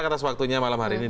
karena sewaktunya malam hari ini